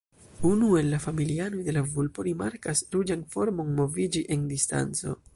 Unu el la familianoj de la vulpo rimarkas ruĝan formon moviĝi en distanco.